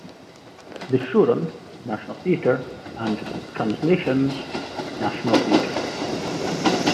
"The Shaughraun", National Theatre and "Translations", National Theatre.